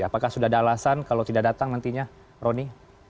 apakah sudah ada alasan kalau tidak datang nantinya roni